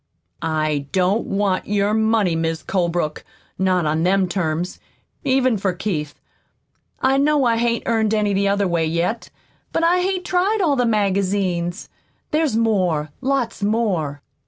"I don't want your money, Mis' Colebrook not on them terms, even for Keith. I know I hain't earned any the other way, yet, but I hain't tried all the magazines. There's more lots more."